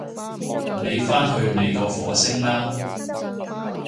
你返去你個火星啦